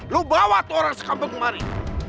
lu bawa tuh orang sekampung kemari